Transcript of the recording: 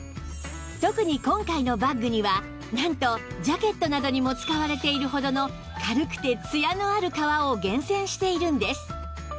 特に今回のバッグにはなんとジャケットなどにも使われているほどの軽くてつやのある革を厳選しているんです